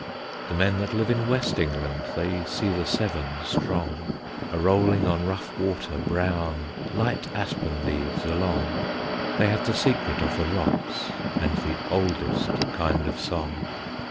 The men that live in West England They see the Severn strong, A rolling on rough water brown Light aspen leaves along. They have the secret of the Rocks, And the oldest kind of song.